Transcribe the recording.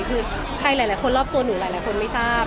คือใครหลายคนรอบตัวหนูหลายคนไม่ทราบ